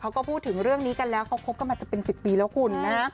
เขาก็พูดถึงเรื่องนี้กันแล้วเขาคบกันมาจะเป็น๑๐ปีแล้วคุณนะ